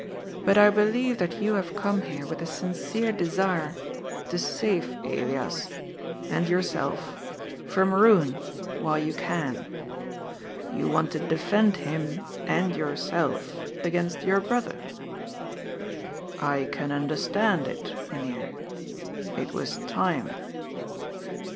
But I believe that you have come here with the sincere desire to save Elias — ^and your self — from ruin, while you can. * You want to defend him — and yourself — against your brother. I can understand it. Mynheer. It was time."